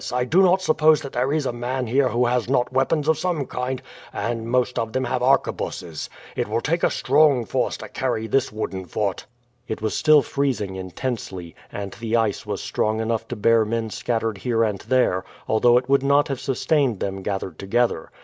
I do not suppose that there is a man here who has not weapons of some kind, and most of them have arquebuses. It will take a strong force to carry this wooden fort." It was still freezing intensely, and the ice was strong enough to bear men scattered here and there, although it would not have sustained them gathered together.